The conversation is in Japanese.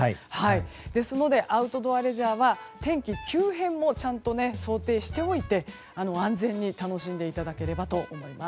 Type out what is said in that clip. ですので、アウトドアレジャーは天気急変もちゃんと想定しておいて安全に楽しんでいただければと思います。